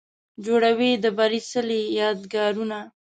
جوړوي د بري څلې، یادګارونه